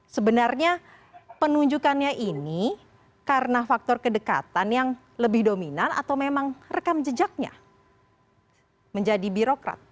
sebenarnya penunjukannya ini karena faktor kedekatan yang lebih dominan atau memang rekam jejaknya menjadi birokrat